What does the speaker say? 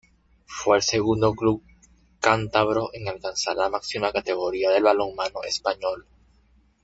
Fue el segundo club cántabro en alcanzar la máxima categoría del balonmano español.